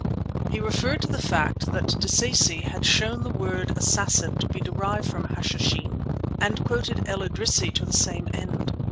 He referred to the fact that De Sacy has shown the word Assassin to be derived from Hashishin, and quoted El Idrisi to the same end.